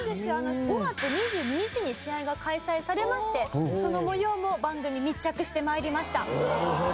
５月２２日に試合が開催されましてその模様も番組密着して参りました。